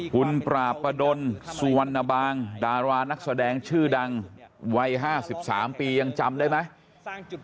คุณปราบประดนสุวรรณบางดารานักแสดงชื่อดังวัย๕๓ปียังจำได้ไหม